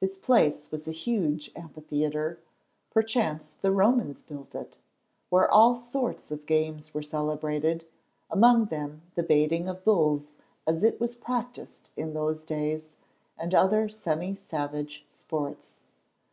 This place was a huge amphitheatre—perchance the Romans built it—where all sorts of games were celebrated, among them the baiting of bulls as it was practised in those days, and other semi savage sports.